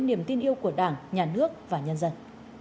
niềm tin yêu của đảng nhà nước và nhân dân